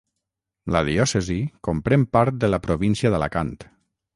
La Diòcesi comprèn part de la província d'Alacant.